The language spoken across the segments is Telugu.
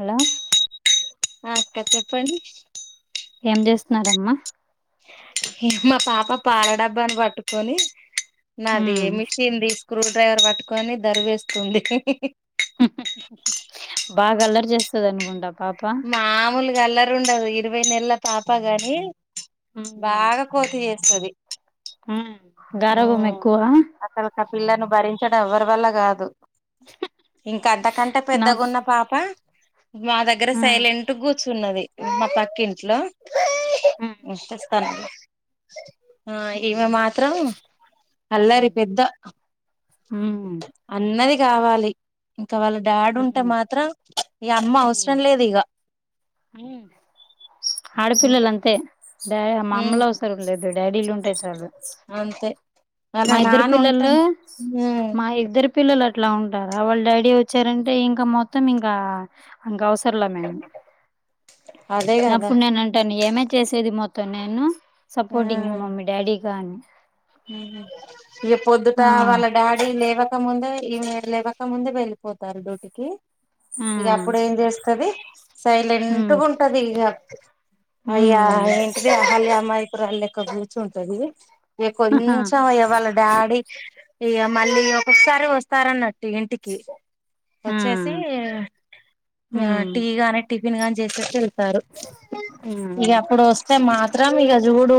హలో అక్క చెప్పండి ఏం చేస్తున్నారమ్మా మా పాప పాల డబ్బాని పట్టుకొని ఉమ్ నాది మిషన్ది స్కూల్ డ్రైవర్ పట్టుకొని దరువు వేస్తుంది బాగా అల్లరి చేస్తంది అనుకుంటా పాప మామూలుగా అల్లరి ఉండదు ఇరవై నెలల పాప గాని ఉమ్ బాగా కోతి చేస్తది ఉమ్ ఉ గారాబం ఎక్కువ అసలుకు ఆ పిల్లలను భరించడం ఎవరి వల్ల కాదు ఇంక అంతకంటే నాకు పెద్దగున్న పాప మా దగ్గర ఉమ్ సైలెంట్గా కూర్చు న్నది మా పక్క ఇంట్లో ఉమ్ ఇస్తానుండు ఆ ఉమ్ ఈమె మాత్రం ఉమ్ అల్లరి పెద్ద ఉమ్ అన్నది కావాలి ఇంకా వాళ్ళ డాడి ఉంటే ఉమ్ మాత్రం ఇగ అమ్మ అవసరం ఉమ్, లేదు ఇగా ఆడపిల్లలు అంతే డా ఉమ్ మమ్మీలా అవసరం లేదు డాడీలు ఉంటే చాలు అంతే వాళ్ళ మా ఇద్దరు నాన్న ఉంటే పిల్లలు ఉమ్ మా ఇద్దరు పిల్లలు అట్లా ఉంటారా వాళ్ళ డాడీ వచ్చారంటే ఇంకా మొత్తం ఇంకా ఇంక అవసరంలే మేము అదే నా కదా అప్పుడు నేను అంటాను ఏమే చేసేది మొత్తం నేను సపోర్టింగ్ ఏమో మీ డాడీకా రేపు పొద్దుట వాళ్ల డాడీ లేవాక్ ముందే ఈమె లేవక ముందే వెళ్ళిపోతారు డ్యూటీకి ఆ ఇగా అప్పుడు ఏం చేస్తది సైలెంటు హ్మ్ గా ఉంటది ఇగా అయ్యా హ్మ్ ఏంటిది మళ్లీ అమాయకురాలు కూర్చుంటది ఇగ ఆహా కొంచెం ఇగ వాళ్ళ డాడీ ఇగ మళ్లీ ఒక్కసారే వస్తారన్నట్టు ఇంటికి ఆ వచ్చేసి యా హ్మ్ టీ గాని, టిఫిన్ గాని జేసెస్ ఏల్. తరు హ్మ్ ఇగా అప్పుడు వస్తే మాత్రం ఇగా జూడు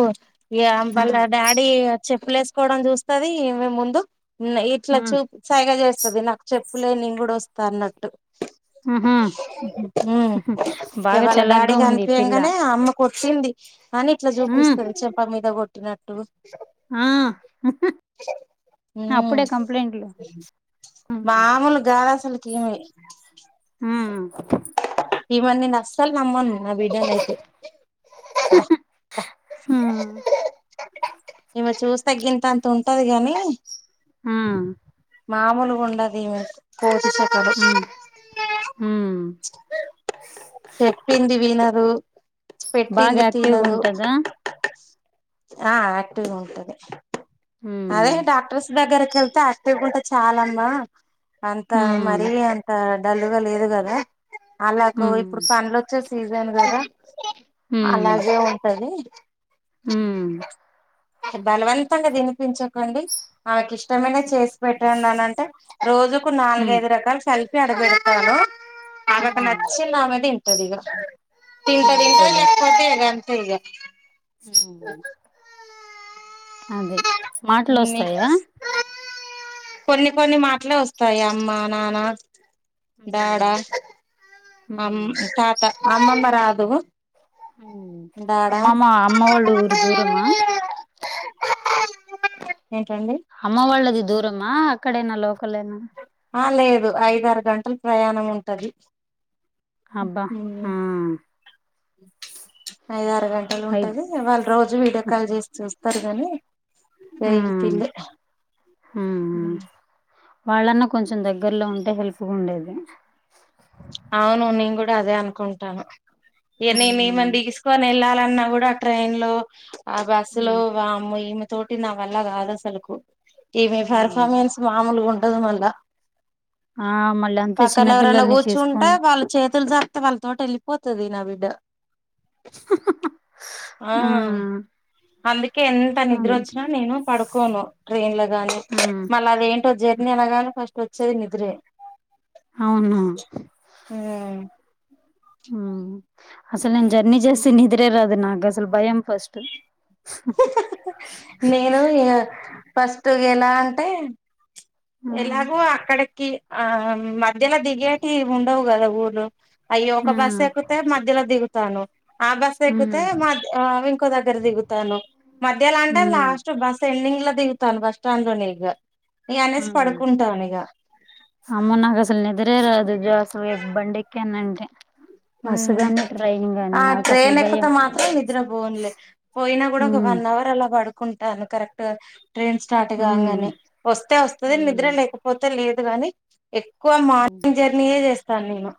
ఈ అంబలా హ్మ్ డాడీ చెప్పులు ఏసుకోవడం జూస్తది. ఇవే ముందు ఇట్ల హ్మ్ చూప్ సైగ జేస్తది నాకు చెప్పులే నేన్ గూడా వస్తా అన్నట్టు. ఆహా ఉహుహ్ ఉ ఇగా బాగా వాళ్ళ డాడీ చలాగ్గా ఉంది ఈ పిల్ల గనిపియగానే అమ్మ కొట్టింది అని ఇట్లా హ్మ్ జూపిస్తది, చెంప మీద గొట్టినట్టు. ఆ అప్పుడే కంప్లైంట్లు హ్మ్ మావూలగ్ గాదు అసలుకి ఇవే. ఉహ్మ్ ఇవన్ నీన్ అసలు నమ్మన్ నా బిడ్డనైతే. హుహ్ ఇవ్వా చూస్తే గింతంతా ఉంటది గాని హ్మ్ మామూలు గుండదు ఇవే కోతి చేకాలు హ్మ్ హ్మ్ చెప్పింది వినదు. బాగా పెట్టింది యాక్టివ్గా తినదు. ఉంటదా ఆ ఆక్టివ్గా ఉంటది. అదే హ్మ్ డాక్టర్స్ దగ్గరకిళ్తే తేకుంటే చాలమ్మా అంత హ్మ్ మరీ అంత డల్లుగా లేదు గదా. అలాకు హ్మ్ ఇప్పుడు పండ్లు వచ్చే సీజన్ కదా అలాగే ఉంటది. ఉహ్మ్ హే బలవంతంగా తినిపించకండి. ఆమెకి ఇష్టమైన చేసి పెట్టండి అన్ అంటే రోజుకు హ్మ్ నాలుగైదు రకాల సెల్ఫీ అడబెడతాను, ఆవేకి హ్మ్ నచ్చింది అవే దీన్ టది ఇగా ఆ తింటే తింటది అదేలే లేక్కపోతే గంతే ఇగా. ఫుహ్ అదే మాటలు ఇంగ్ వస్తాయా నెక్స్ కొన్ని కొన్ని మాటలు వస్తాయ్ అమ్మ, నాన్న. హ్మ్ డాడా అమ్ హ్మ్ తాత అమ్మమ్మ రాదు. హ్మ్ డాడ అమ్మమ్మ అమ్మ వాళ్ళ ఊరు దూరమా ఏంటండి. అమ్మ వాళ్ళది దూరమా అక్కడేనా లోకలేనా. ఆ లేదు ఐదరు గంటలు ప్రయాణం ఉంటది. అబ్బా ఉహుహ్ ఆ ఐదరు గంటలు అయితే ఉంటది. ఏ వాళ్ళు రోజు వీడియో కాల్ జేష్ చూస్తారు గాని. ఏయ్ హ్మ్ టీలే హ్మ్ వాళ్ళన్నా కొంచెం దగ్గరలో ఉంటే హెల్ప్గా ఉండేది. అవును నేను కూడా అదే అనుకుంటాన్నా ఏ నేన్ హ్మ్ ఏమన్ దిస్ కొన్ ఏళ్ళాలన్నా గూడా ఆ ట్రైన్ లో ఆ బస్సు లో హ్మ్ వామో ఇవే తోటి నా వల్ల కాదు అసలులకు ఇవా హ్మ్ పర్ఫార్మెన్స్ మామూలుగా ఉండదు మళ్ళా. ఆ మళ్ళా అంతే చిన్న పిల్లల్ని చేస్ కుంటా వాళ్ళు చేతులు జాప్తే వాళ్ళతోటి వెళ్ళిపోతది నా బిడ్డ. ఆ అందుకే ఎంత నిద్ర అవును వచ్చినా నేను పడుకోను. ట్రైన్లా గాని హ్మ్ మళ్ళీ అద్ ఏంటో జర్నీ అనగానే ఫస్ట్ వచ్చేది నిద్రే. హవునో ఇగా ఆ అసలు నేను జర్నీ జేస్తే నిద్రే రాదు నాకు అసలు భయం ఫస్ట్. నేను ఇగ ఫస్ట్ ఎలా అంటే ఉమ్ ఎలాగో అక్కడికి ఆ మధ్యలో దిగేటియి ఉండవు కదా ఊరు అయ్య ఒక ఉమ్ బస్సు ఎక్కుతే మధ్యల దిగుతావ్ను ఆ బస్సు ఉమ్ ఎక్కితే మధ్య ఆ వింకో దగ్గర దిగుతన్నాం మధ్యలో అంటె ఉమ్ లాస్ట్ బస్ ఎండింగ్లా దిగుతల్లు బస్టాండ్ లోనే ఇగ ఇగ అనేసి ఉమ్ పడుకుంటాన్నా ఇగ అమ్మో నాగసలు నిద్రే రాదు జోస్ బండెక్కనంటే హ ఆ ట్రైన్ ఎక్కుతే భయం మాత్రం నిద్ర పోన్లే పోయినా కూడా ఒక ఉమ్ వన్ అవర్ అలా పడుకుంటాను కరెక్ట్గా ట్రైన్ స్టార్ట్ ఉమ్ కాగన్నే వస్తే వస్తది నిద్ర ఉమ్ లేకపోతే లేదు గాని ఎక్కువ మార్నింగ్ జర్నీయే చేస్తాను నేను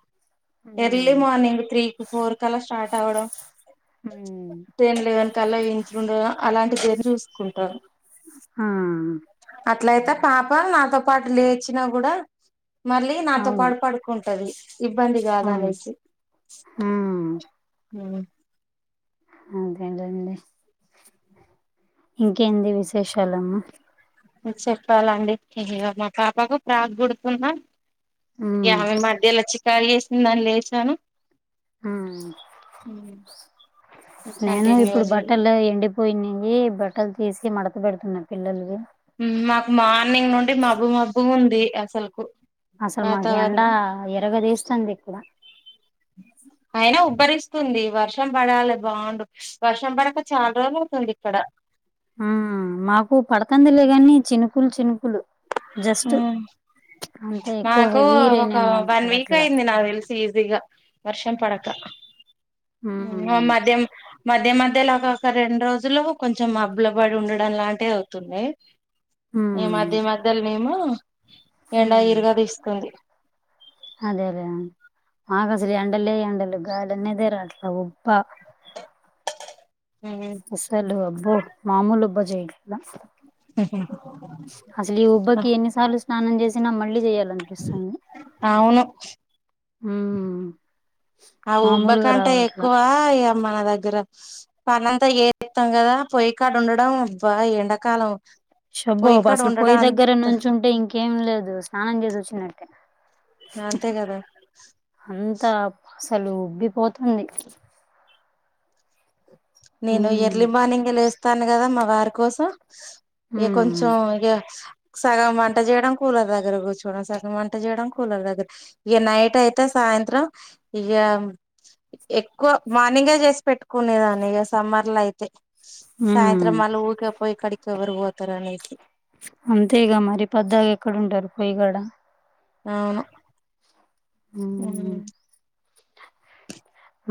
ఎర్లీ ఉమ్ మార్నింగ్ త్రీకి ఫోర్ కా లా స్టార్ట్ అవడం హ్మ్ టెన్ లెవిన్ కళ్ళ ఇంట్లో ఉండే అలాంటి పేరు చూసుకుంటాను హా అట్లయితే పాప నాతో పాటు లేచినా కూడా మళ్ళీ నాతో అవును పాటు పడుకు కుంటది ఇబ్బంది కాద్ అనేషి హ్మ్ హ్మ్ అదేంటండి ఇంకేంది విశేషాలమ్మ చెప్పాలండి ఇగ మా పాపకు ప్రాక్ కుడుతున్న ఇగ ఉమ్ ఆమె మధ్యల చికాక్ చేసింది అని లేసాను ఉమ్ హ్ కంటిన్యూజే పోయినాయి బట్టలు తీసి మడత పెడుతున్నాయి పిల్లలవి మాకు మార్నింగ్ నుండి మబ్బు మబ్బుగుంది అసలుకు అసలు మాకు ఎండా వాతావరణం ఇరగా తీస్తుంది ఇక్కడ అయినా ఉబ్బరిస్తుంది వర్షం పడాలి బాగుండు వర్షం పడక చాలా రోజులు అవుతుంది ఇక్కడ ఆ మాకు పడుతంది లేగాని చినుకులు చినుకులు హు జస్ట్ అంతే ఎక్కువ మాకు హెవీ రైన్ ఒక ఏం వన్ వీక్ పడట్లా. అయింది నాకు తెలుసి ఈజీగా వర్షం పడక ఆ హ్మ్. మద్యం మధ్య మధ్య లాగా ఒక రెండు రోజులు కొంచెం మబ్బులవడి ఉండడం లాంటివి అవుతుండే ఇగ హ్మ్. మధ్య మధ్యలోనేమో ఎండా ఇరుగ తీస్తుంది అదఅదే ఆ మాకు అసలు ఎండలే ఎండలు గాలి అన్నదే రాట్లే ఉప్ప ఉహ్ అసలు అబ్బో మామూలు ఉబ్బ చేయగద హు హు అసలు ఈ ఉబ్బకి ఎన్నిసార్లు స్నానం చేసినా మళ్ళీ చెయాలనిపిస్తుంది అవును ఉహ్ ఆ ఉబ్బ కంటే ఎక్కువ ఇగ మా దగ్గర పనంతా చేత్తం కదా పొయ్యి కడుండడం అబ్బా ఈ ఎండాకాలం శషబ్బో పొయ్యి కాడ అసలు ఉండడం పొయి దగ్గర అంత నుంచుంటే ఇంకేం లేదు స్నానం చేసి వచ్చినట్టే అంతే కదా అంతా అసలు ఉబ్బిపోతుంది నేను ఎర్లీ ఉమ్ మార్నింగ్ లేస్తాను కదా మా వారి కోసం ఏ ఉమ్ కొంచంమ్ గ్యాస్ సగం వంట చేయడం కూలర్ దగ్గర కూర్చూడం సగం వంట చేయడం కూలర్ దగ్గర ఇక నైట్ అయితే సాయంత్రం ఇగ ఎక్కువ మాన్నింగే చేసి పెట్టుకునే దాన్ని ఇగ స్ సమ్మర్ లో అయితే ఉమ్ సాయంత్రం మళ్ళ ఊరికే పోయి ఎక్కడికి ఎవరు పోతారు అనేసి అంతేగా మరి పద్దాగ ఎక్కడు ఉంటారు పొయి గోడ అవును ఊ అ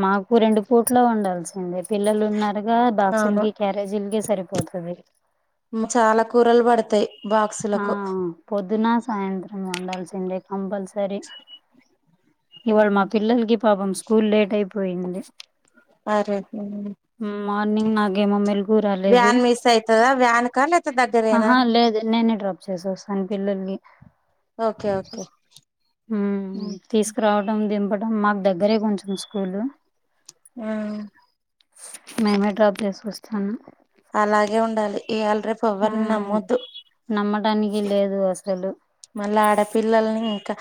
మాకు రెండు పూట్లో వండాల్సిందే పిల్లలు ఉన్నారుగా అవును బాక్సులకి క్యారేజీలకి సరిపోత అది మ్ చాలా కూరలు పడ్ తాయి ఆ పొద్దున సాయంత్రం వండాల్సిందే కంపల్సరీ ఇవాళ మా పిల్లల్ కి పాపం స్కూల్ లేట్ అయిపోయింది అరే మార్నింగ్ నాకేమో మేల్ కు రాలేదు తదా వ్యాన్ కా లేద్ ఆహా లేదు నేనే డ్రాప్ చేసి వస్తాను పిల్లల్నీ ఓకే ఓకే మ్ తీసుకురావడంం దింపడంం మాకు దగ్గరే కొంచెం స్కూల్లు ఆ మేమే డ్రాప్ చేసి వస్తాను అలాగే ఉండాలి ఇయాళ రేప్ ఆ నమ్మటానికి లేదు అసలు మళ్ళీ ఆడపిల్లల్ని ఇంకా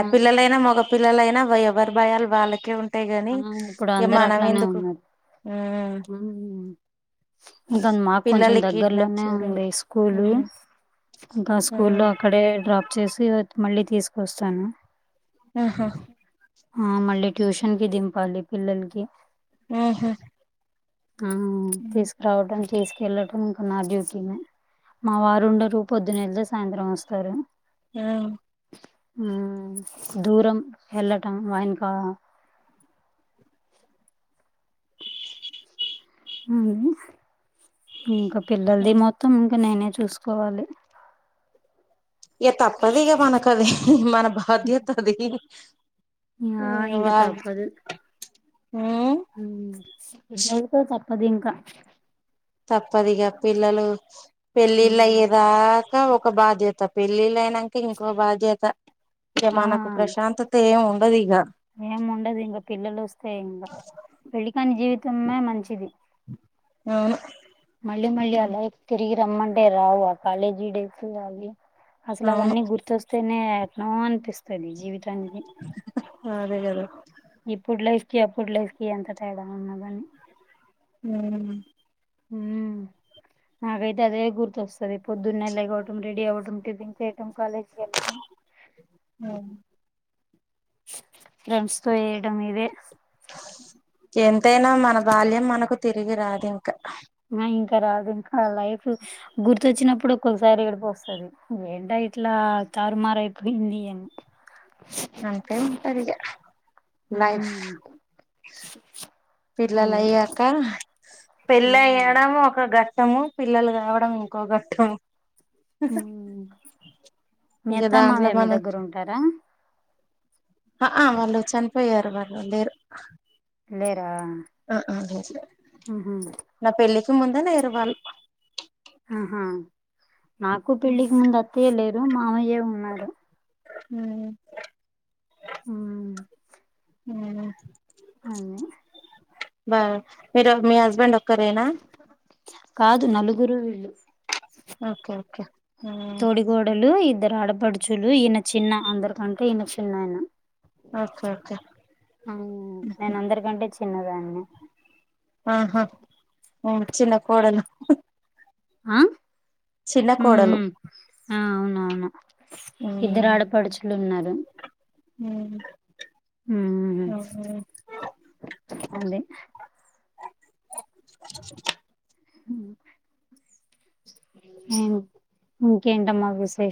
హ్మ్. మగపిల్లలైనా ఎవఎవరి భయాలు వాళ్ళకే ఉంట టయి గాని ఆ! ఇప్పుడు ఏ మనం ఎందుకు ఆ ఇంక మాకు కొంచెం పిల్లల్ని కిడ్నాప్ దగ్గర్లోనే చేయడం ఉంది స్కూలు ఇంకా స్కూల్లో ఆహా అక్కడే డ్రాప్ చేసి మళ్ళీ తీసుకొస్తాను ఆ మళ్ళీ ట్యూషన్ కి దింపాలి పిల్లల్ కి ఆహ ఆ తీసుకురావటం తీసుకెళ్ళటం ఇంకా నా డ్యూటీనే మా వారు ఉండరు పొద్దున్ ఎల్తే సాయంత్రం వస్తారు ఆ ఆ దూరం వెళ్ళటం వాయన్కా అ ఇంకా పిల్లలది మొత్తం ఇంకా నేనే చూసుకోవాలి ఇగ తప్పది ఇగా మనక్ అది మన బాధ్యత అది ఆ ఇంగ ఇంకా వాద్ ఉ ఇష్అవుకొ తప్పద్ ఇంకా తప్పదు ఇగా పిల్లలు పెళ్ళిళ్ళు మ్మ్ అయ్యేదాకా ఒక బాధ్యత పెళ్ళిళ్ అయినాక ఇంకో బాధ్యత ఇగ ఆ మనకు ప్రశాంతత ఏమి ఉండ అదు ఇగ ఏం ఉండదు ఇంకా పిల్లలు వస్తాయి ఇంకా పెళ్ళి కాని జీవితమే మంచిది అవును మళ్ళీ మళ్ళీ అల అయితే తిరిగి రమ్మ అంటే రావు కాలేజీ డేస్ అవి అసలు అవ అవును అన్నీ గుర్ తోవోస్తేనే ఎట్నో అనిపిస్తూ తుంది జీవితానికి అదే కదా ఇప్పుడు లైఫ్ కి అప్పుడు లైఫ్ కి ఎంత తేడా ఉన్నద అని ఉమ్ ఉమ్ నాకైతే అదే గుర్తొస్తది పొద్దున్నే లెగవటం రెడీ అవ్వడం టిఫన్ చేయటం కాలేజ్కి ఎళ్ళటం ఉమ్ ఫ్రెన్స్ తో వేయడం ఇదే ఎంతైనా మన బాల్యం మనకు తిరిగి రాదింకా ఆ ఇంకా రాదింకా లైఫ్ గుర్తొచ్చినప్పుడు ఒక్కొక్కసారి ఏడుపోస్తది ఏంటా ఇట్లా తారుమారయిపోయింది అని అంతే ఉంటదిగా లైఫ్ ఉమ్ అది పిల్లలయ్యాక ఉమ్ పెళ్ళయ్యడం ఒక గట్టము పిల్లలు గావడం ఇంకో గట్టము ఉమ్ మీ ఇగ అత్త దాంట్ల మామయ్య మీ మనం దగ్గర ఉంటారా ఆహ వాళ్ళు చనిపోయారు వాళ్ళు లేరు లేరా ఉహు నా పెళ్ళికి ముందే లేరు వాళ్ళు ఆహా నాకు పెళ్లికి ముందు అత్తయ్య లేరు మామయ్యే ఉన్నారు ఉమ్ ఉమ్ నేనా అదే బాగ్ ఈరోజు మీ హస్బెండోక్కరేనా కాదు నలుగురు వీళ్ళు ఓకే ఓకే ఉమ్ కొడలు ఇద్దరు ఆడపడుచులు ఈయన చిన్న అందరికంటే ఈయన చిన్న ఆయన ఓకే ఓకే ఆ నేనందరికంటే చిన్నదాన్ని ఆహా ఉమ్ చిన్న కోడలు ఆ చిన్న ఉమ్ కోడలు ఉమ్. ఆ అవునవును ఇద్దరు ఆడపడుచులున్నరు ఉమ్ ఉ ఉహు అదే ఏం ఇంకేంటమ్మ విశేష్